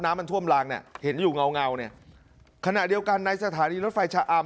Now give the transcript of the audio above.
น้ำมันท่วมลางเนี่ยเห็นอยู่เงาเงาเนี่ยขณะเดียวกันในสถานีรถไฟชะอำ